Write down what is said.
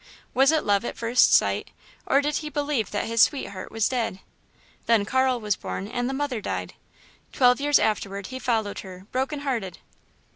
Was it love at first sight, or did he believe that his sweetheart was dead? Then Carl was born and the mother died. Twelve years afterward, he followed her broken hearted.